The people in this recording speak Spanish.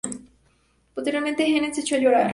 Posteriormente, Heenan se echó a llorar.